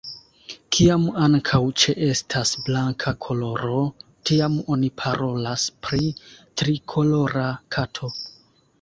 Kiam ankaŭ ĉeestas blanka koloro, tiam oni parolas pri trikolora kato.